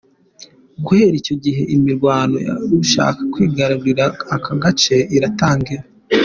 Guhera icyo gihe imirwano yo gushaka kwigarurira ako gace iratangira.